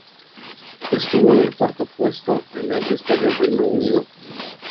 Estuvo en el cuarto puesto en las listas de Reino Unido.